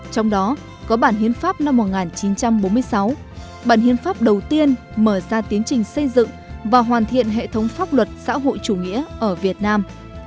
trong đó có bản hiến pháp năm một nghìn chín trăm bốn mươi sáu bản hiến pháp đầu tiên mở ra tiến trình xây dựng và hoàn thiện hệ thống pháp luật xã hội chủ nghĩa ở việt nam